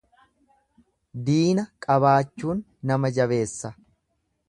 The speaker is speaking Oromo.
Diina qabaachuun nama jabeessa.